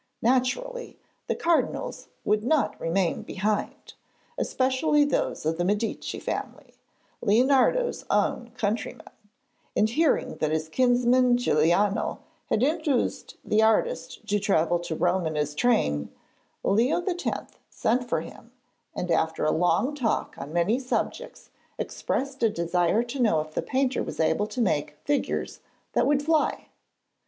Naturally the cardinals would not remain behindhand, especially those of the Medici family, Leonardo's own countrymen, and hearing that his kinsman Giuliano had induced the artist to travel to Rome in his train, Leo X. sent for him and after a long talk on many subjects expressed a desire to know if the painter was able to make figures that would fly.